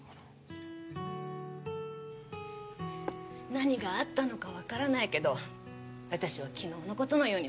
何があったのかわからないけど私は昨日の事のように覚えてる。